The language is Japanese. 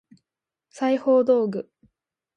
裁縫道具